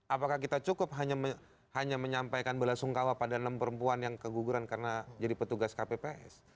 apakah kita cukup hanya menyampaikan bela sungkawa pada enam perempuan yang keguguran karena jadi petugas kpps